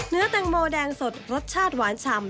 เนื้อแตงโมแดงสดรสชาติหวานฉ่ำ